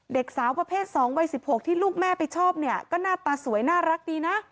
เด็กสาวประเภท๒วัย๑๖ที่ลูกแม่ไปชอบเนี่ยก็หน้าตาสวยน่ารักดีนะ